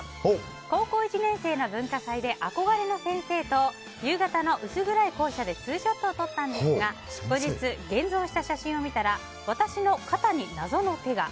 高校１年生の文化祭で憧れの先生と夕方の薄暗い校舎でツーショットを撮ったんですが後日、現像した写真を見たら私の肩に謎の手が。